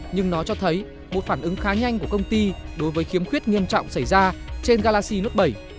nhưng nó cho thấy một phản ứng khá nhanh của công ty đối với khiếm khuyết nghiêm trọng xảy ra trên galaxy lúc bảy